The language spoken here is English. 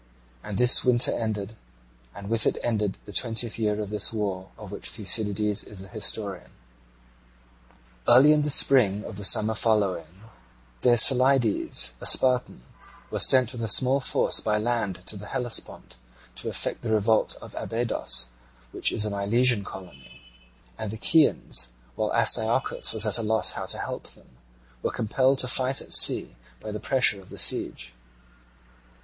And this winter ended, and with it ended the twentieth year of this war of which Thucydides is the historian. Early in the spring of the summer following, Dercyllidas, a Spartan, was sent with a small force by land to the Hellespont to effect the revolt of Abydos, which is a Milesian colony; and the Chians, while Astyochus was at a loss how to help them, were compelled to fight at sea by the pressure of the siege.